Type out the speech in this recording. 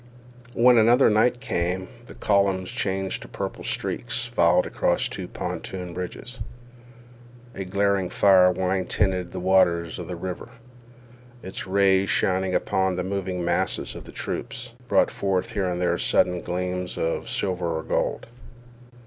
When another night came, the columns, changed to purple streaks, filed across two pontoon bridges. A glaring fire wine tinted the waters of the river. Its rays, shining upon the moving masses of troops, brought forth here and there sudden gleams of silver or gold.